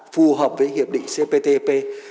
phù hợp với hiệp định cptpp